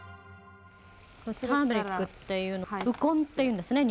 ターメリックっていうのウコンって言うんですね